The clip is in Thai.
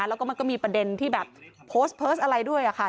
แล้วก็มันก็มีประเด็นที่แบบโพสต์โพสต์อะไรด้วยค่ะ